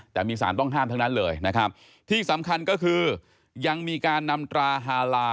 แต่มีสารต้องห้ามทั้งนั้นเลยนะครับ